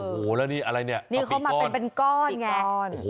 โอ้โหแล้วนี่อะไรนี่กะปิก้อนนี่เขามาเป็นก้อนไงโอ้โห